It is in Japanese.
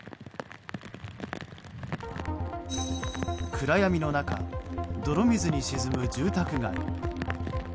暗闇の中、泥水に沈む住宅街。